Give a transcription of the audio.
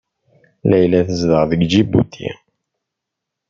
Layla tezdeɣ deg Ǧibuti.